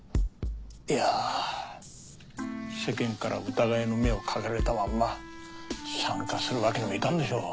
いや世間から疑いの目をかけられたまんま参加するわけにもいかんでしょう。